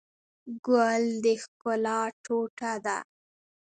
ګل د ښکلا ټوټه ده.